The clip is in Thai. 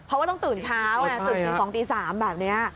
เพราะว่าต้องตื่นเช้าไงตื่นตี๒ตี๓แบบนี้